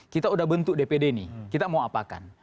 kita udah bentuk dpd nih kita mau apakan